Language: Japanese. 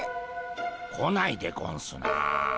来ないでゴンスな。